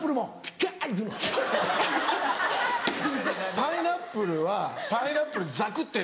パイナップル！